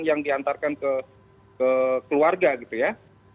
yang diantarkan ke keluarga gitu ya